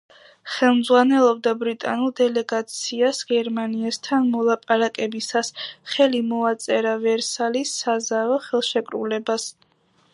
ხელმძღვანელობდა ბრიტანულ დელეგაციას გერმანიასთან მოლაპარაკებისას, ხელი მოაწერა ვერსალის საზავო ხელშეკრულებას.